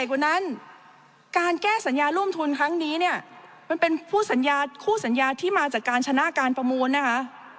กว่านั้นการแก้สัญญาร่วมทุนครั้งนี้เนี่ยมันเป็นคู่สัญญาคู่สัญญาที่มาจากการชนะการประมูลนะคะ